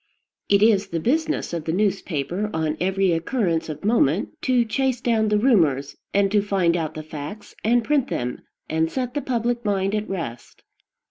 It is the business of the newspaper, on every occurrence of moment, to chase down the rumors, and to find out the facts and print them, and set the public mind at rest.